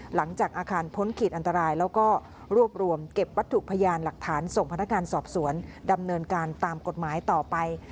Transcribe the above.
หลังจากอาคารพ้นขีดอันตรายแล้วก็รวบรวมเก็บวัตถุพยานหลักฐานส่งพนักงานสอบสวนดำเนินการตามกฎหมายต่อไป